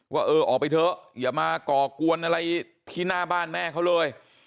ว่าเออออกไปเถอะอย่ามาก่อกวนอะไรที่หน้าบ้านแม่เขาเลย